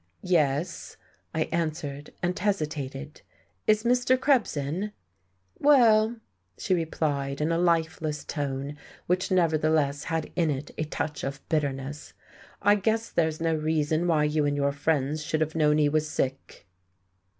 "Yes," I answered, and hesitated.... "Is Mr. Krebs in?" "Well," she replied in a lifeless tone, which nevertheless had in it a touch of bitterness, "I guess there's no reason why you and your friends should have known he was sick."